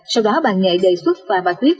sau đó bà nghệ đề xuất và bà tuyết